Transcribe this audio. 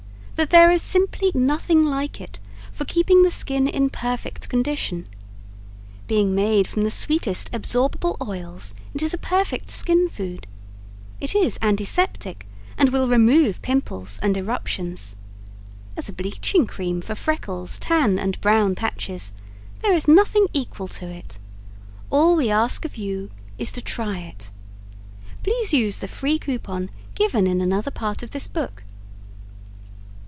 That there is simply nothing like it for keeping the skin in perfect condition. Being made from the sweetest absorbable oils it is a perfect skin food. It is antiseptic and will remove pimples and eruptions. As a bleaching cream for freckles, tan and brown patches there is nothing equal to it. All we ask of you is to try it. Please use the FREE COUPON given in another part of this book.